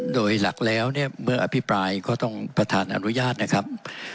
โดยหลักแล้วเนี่ยเมื่ออภิปรายก็ต้องประธานอนุญาตนะครับ